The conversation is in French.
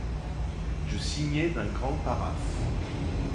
Je signais d’un grand paraphe